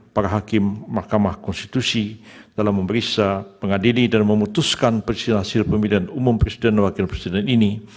para hakim mahkamah konstitusi dalam memeriksa mengadili dan memutuskan presiden hasil pemilihan umum presiden dan wakil presiden ini